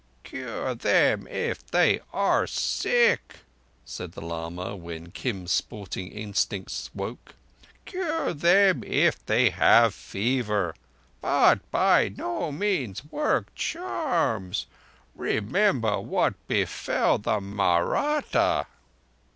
"Cure them if they are sick," said the lama, when Kim's sporting instincts woke. "Cure them if they have fever, but by no means work charms. Remember what befell the Mahratta."